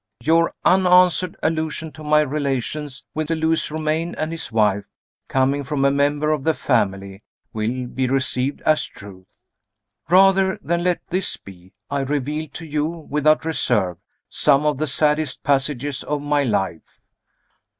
Your unanswered allusion to my relations with "Lewis Romayne and his wife," coming from a member of the family, will be received as truth. Rather than let this be, I reveal to you, without reserve, some of the saddest passages of my life.